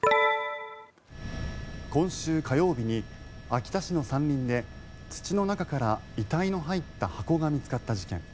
今週火曜日に秋田市の山林で土の中から遺体の入った箱が見つかった事件。